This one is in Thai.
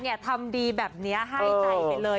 อ๋อเนี่ยทำดีแบบเนี้ยให้ใจไปเลย